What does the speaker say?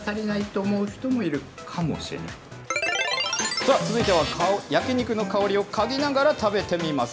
さあ、続いては、焼き肉の香りを嗅ぎながら食べてみます。